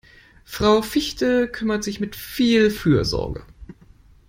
Frau Fichte kümmert sich mit viel Fürsorge.